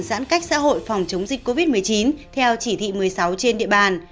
giãn cách xã hội phòng chống dịch covid một mươi chín theo chỉ thị một mươi sáu trên địa bàn